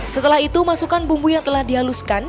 setelah itu masukkan bumbu yang telah dihaluskan